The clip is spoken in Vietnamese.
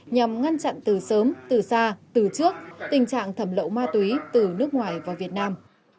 nhằm ngăn chặn từ sớm từ xa từ trước tình trạng thẩm lậu ma túy từ nước ngoài vào việt nam